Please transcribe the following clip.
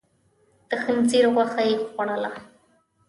د خنزير غوښه يې خوړله.